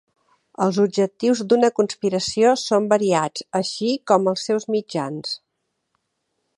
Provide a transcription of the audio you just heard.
Els objectius d'una conspiració són variats, així com els seus mitjans.